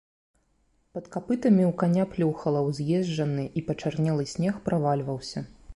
Пад капытамі ў каня плюхала, уезджаны і пачарнелы снег правальваўся.